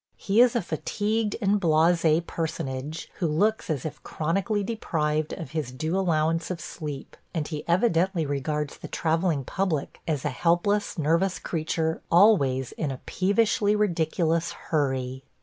He is a fatigued and blasé personage who looks as if chronically deprived of his due allowance of sleep, and he evidently regards the travelling public as a helpless, nervous creature always in a peevishly ridiculous hurry.